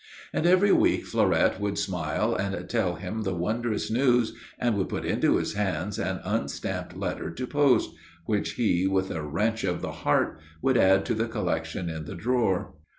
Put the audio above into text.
And every week Fleurette would smile and tell him the wondrous news, and would put into his hands an unstamped letter to post, which he, with a wrench of the heart, would add to the collection in the drawer.